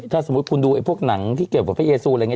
ถ้าสมมุติคุณดูไอ้พวกหนังที่เกี่ยวกับพระเยซูอะไรอย่างนี้